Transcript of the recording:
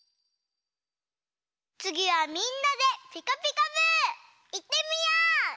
つぎはみんなで「ピカピカブ！」いってみよう！